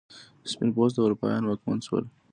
سپین پوسته اروپایان واکمن شول.